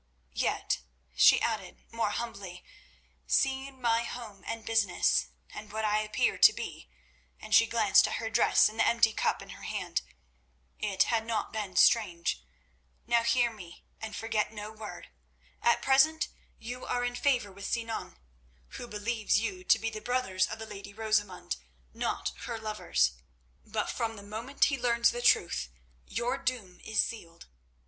Yet," she added more humbly, "seeing my home and business, and what I appear to be," and she glanced at her dress and the empty cup in her hand, "it had not been strange. Now hear me, and forget no word. At present you are in favour with Sinan, who believes you to be the brothers of the lady Rosamund, not her lovers; but from the moment he learns the truth your doom is sealed.